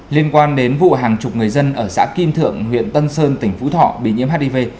liên quan đến vụ hàng chục người dân ở xã kim thượng huyện tân sơn tỉnh phú thọ bị nhiễm hiv